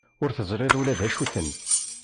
Ur teẓriḍ ula d acu-ten.